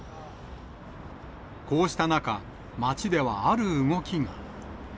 こうした中、街ではある動きが。